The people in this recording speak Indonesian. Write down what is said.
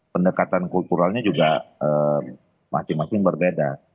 pendekatan kulturalnya juga masing masing berbeda